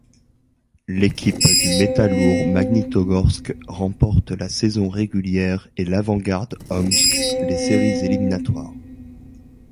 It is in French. L'équipe du Metallourg Magnitogorsk remporte la saison régulière et l'Avangard Omsk les séries éliminatoires.